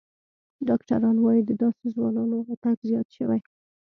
ډاکتران وايي، د داسې ځوانانو ورتګ زیات شوی